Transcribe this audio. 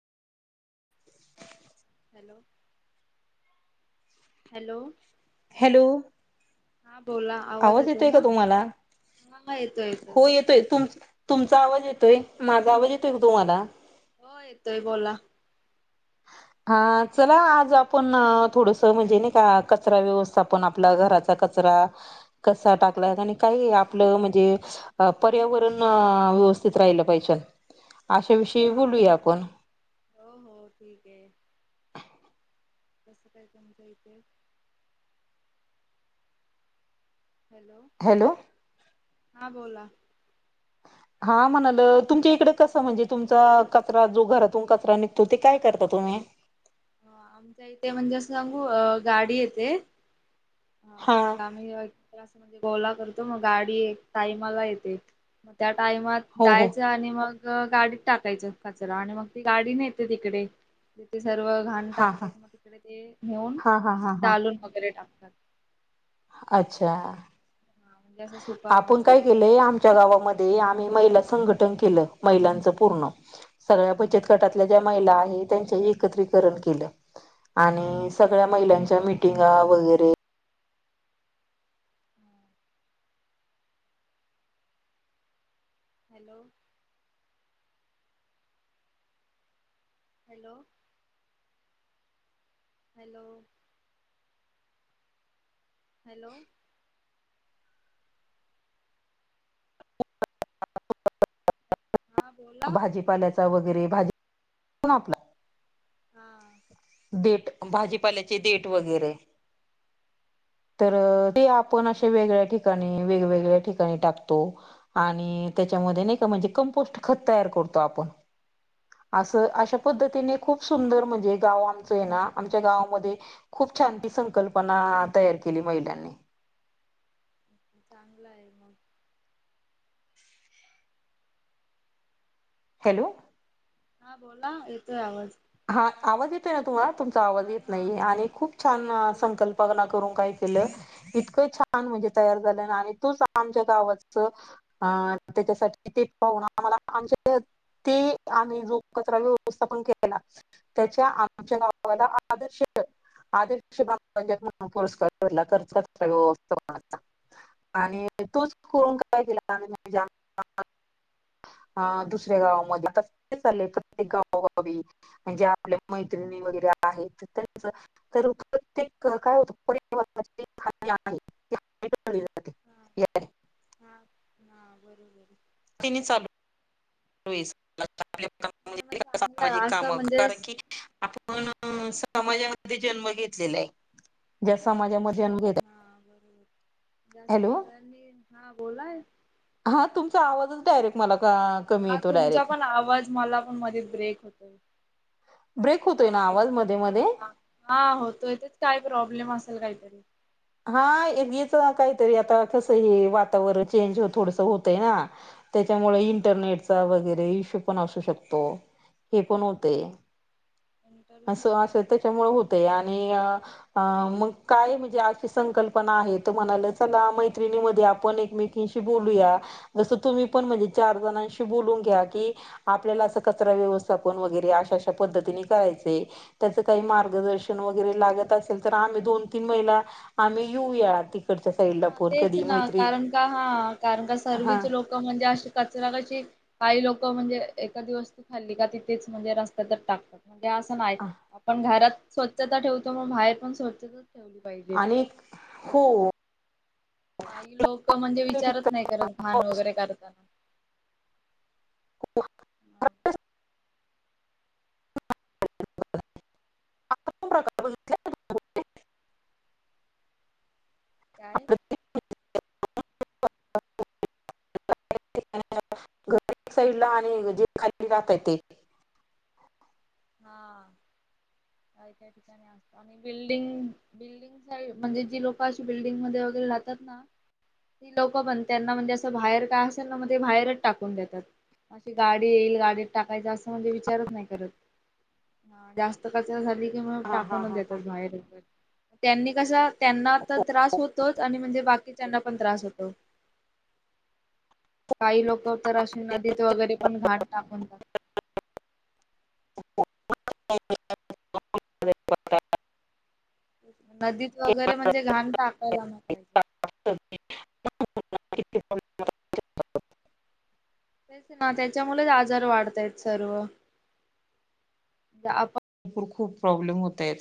Hello hello. Hello हा आवाज येतोय का तुम्हाला हा हा येतोय हो येतोय तुम तुमचा आवाज येतोय माझा आवाज येतोय तुम्हाला? हो येतोय बोला ह [unintelligible] हा चला आज आपण थोडस म्हणजे नाही का कचरा व्यवस्थापण आपल्या घराचा कचरा टा कसा आपल म्हणजे पर्यावरण थित राहिलं पाहिजे अशा विषयी हा बोलूया आपण हो हो ठीक हाय तसं काय समता हेते हॅलो हॅलो [unintelligible] हा बोला हा म्हणाल तुमच्या इकडे कसं म्हणजे तुमचा कचरा जो घरातून कचरा निघतो ते काय करतात तुम्ही आमच्या इथे म्हणजे असं सांगू अ गाडी येते हा हा मग आम्ही म्हणजे बोला करतो मग गाडी एक टाइमाला येते मग त्या टायमात हो हो जायचं आणि मग गाडीत टाकायचं कचरा आणि मग ती गाडी नाही येते तिकडे तिथे सर्व घाण हा हा टाकतात मग तिकडे ते घेऊन हा हा हा हा डालून वगैरे टाकतात अच्छा हा म्हणजे असा सुका आपण काय कचरा ओला केलंय आमच्या गावामध्ये आम्ही महिला संघटन केलं महिलांच पूर्ण सगळ्या बचत अच्छा गटातल्या ज्या महिला आहेत त्यांच एकत्रीकरण केलं आणि अच्छा सगळ्या महिलांच्या मिटिगा वगैरे हा. हॅलो हॅलो हॅलो [unintelligible] हॅलो ह [unintelligible] हा बोला भाजीपाल्याचा वगैरे भाजी ना आपला हा ट [unintelligible] भाजीपाल्याचे देट वगैरे तर हा ते आपण असे वेगळ्या ठिकाणी वेगवेगळ्या ठिकाणी टाकतो आणि त्याच्यामध्ये नाही का म्हणजे कंपोस्ट खत तयार करतो आपण असं हा अशा बरोबर पद्धतीने खूप सुंदर म्हणजे गाव आमच आहे ना आमच्या गावमध्ये खूप शांती संकल्पना तयार केली महिलांनी चांगलं आहे मग हॅलो हा बोला येतोय आवाज हा आवाज येतोय ना तुम्हाला तुमचा आवाज हा येत हा नाही आणि खूप हा छान येतोय संकल्पना करून काही इतकं छान म्हणज तयार झा त आमच्या गा पाून आम्हा आ ते आणि जो कचरा व्यवस्था पण त्याच्या आमच्या नावाला आदर्श आद म्ह पुरस्कार ख व्य आणि तोच करून काय केला हा दुसऱ्या गावामध्ये चा प्रत्येक गावा म्हणजे आपल्या मैत्रिणी वगैरे आहेत त्यांच तर प्रत्येक काय होत [unintelligible] ना बरोबर तिन सल नाही मग णजे चांगलं आहे सामाजिक काम असं म्हणजे कारण की आपण समाजामध्ये जन्म घेतलेला आहे ज्या समाजामध्ये जन्म घेत हा बरोबर जास हॅलो सगळ्यांनी हा बोलाय. हा तुमचा [unintelligible] कमी हा येतो तुमचा डायरेक्ट पण आवाज मला पण मध्ये ब्रेक होतोय ब्रेक होतोय हा ना ब आवाज मध्ये मध्ये हा होतो इथ काय प्रॉब्लेम असत [unintelligible] हा एकीच काहीतरी आता कस हे वातावरण चेंज थोडस होतय ना त्या त्यामुळे हा इंटरनेटचा वगैरे इशू पण असू शकतो. हे पण होते तेच [inaudible] इंटरव्ह्यूचाच असं असं प्रॉब्लेम त्याच्यामुळे होते आणि अ मग काय म्हणजे. संकल्पना आहे तुम्हाला चला मैत्रिणेमध्ये आपण एलन किंन सी बोलू या जस तुम्ही म्हणजे चार जणशी बून घ्या की आपल्या अस कचरा व्यवथान वगैरे अशाशा पद्धती कराय त्याच काही मार्गदर्शन वगैरे लागत असेल तर आम्ही दोन तीन महिला आम्ही येऊ या ति हा तेच ना कारण का हा कारण का हा सर्वीच लोक म्हणजे अशी कचरा कशी काही लोक म्हणजे एकादी दिवस् तू खाल्ली का तिथेच म्हणजे रस्त्या तर टाकतात. म्हणजे असं नाही आपण घरात स्वच्छता ठेवतो मग बाहेर पण स्वच्छता आणि हो. काही लोक म्हणजे विचारत नाही करत घाण वगैरे करताना [unintelligible] [unintelligible] काय? आपल्या [unintelligible] घर एक साईडला आणि जे खाली जहातय ते. हा, त्या ठिकाणी असतो आणि बिल्डिंग बिल्डिंग सा म्हणजे जी लोकं अशी बिल्डिंग मध्ये वगैरे लाहतात ना ती लोक पण त्यांना म्हणजे असं बाहेर काय असेल ना मग ते बाहेरच टाकून देतात. अशी गाडी येईल गाडीत टाकायच असं म्हणजे विचारत नाही करत ह जास्त कच झाली कि म हा हा टाकूनच हा हा. देतात बाहेर वगैरे त्यांनी कस त्यांना तर त्रास होतोच आणि म्हणजे बाकी त्यांना पण त्रास होतो [inaudible] काही लोक तर अशी नदीत वगैरे पण घाट टाकून [unintelligible] नदीत वगैरे म्हणजे घाण टाकायला ना पाहिजे [unintelligible] तेच ना त्याच्यामुळेच आजार वाढतायेत सर्व [inaudible] आपण तर खूप प्रॉब्लेम होत आहेत